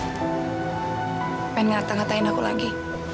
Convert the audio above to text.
pengen ngata ngatain aku lagi